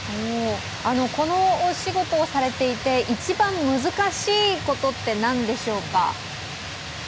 このお仕事をされていて一番難しいことって何でしょうか？